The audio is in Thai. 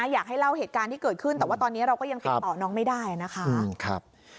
อยากให้เล่าเหตุการณ์ที่เกิดขึ้นแต่ว่าตอนนี้เราก็ยังติดต่อน้องไม่ได้นะคะ